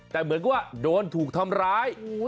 แต่เหมือนกับว่าโดนถูกทำร้าย